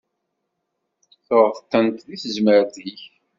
Tuɣeḍ-tent deg tezmert-ik.